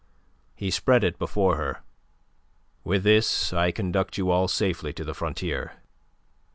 He spread it before her. "With this I conduct you all safely to the frontier.